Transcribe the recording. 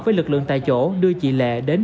với lực lượng tại chỗ đưa chị lệ đến